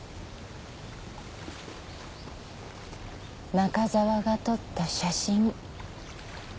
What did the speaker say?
中沢が撮った写真。